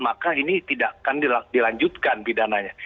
maka ini tidak akan dilanjutkan pidananya